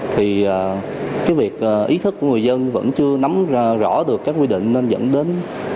thì cái việc ý thức của người dân vẫn chưa nắm rõ được các quy định nên dẫn đến